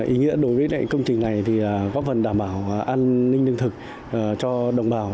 ý nghĩa đối với công trình này là có phần đảm bảo an ninh lương thực cho đồng bào